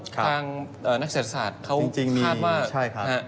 ทางนักศึกษาศาสตร์เขาคาดว่าจริงมีใช่ครับ